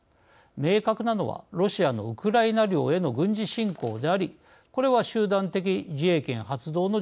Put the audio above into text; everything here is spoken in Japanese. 明確なのはロシアのウクライナ領への軍事侵攻でありこれは集団的自衛権発動の条件とはなりません。